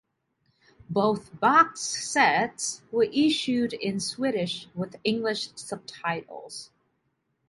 Both box sets were issued in Swedish with English subtitles.